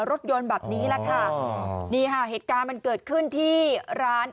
รถยนต์แบบนี้แหละค่ะนี่ค่ะเหตุการณ์มันเกิดขึ้นที่ร้าน